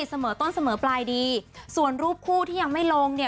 เสมอต้นเสมอปลายดีส่วนรูปคู่ที่ยังไม่ลงเนี่ย